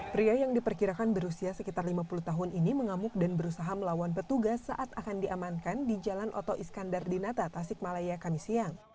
pria yang diperkirakan berusia sekitar lima puluh tahun ini mengamuk dan berusaha melawan petugas saat akan diamankan di jalan oto iskandar di nata tasikmalaya kami siang